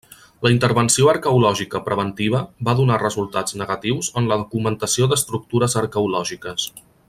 La intervenció arqueològica preventiva va donar resultats negatius en la documentació d’estructures arqueològiques.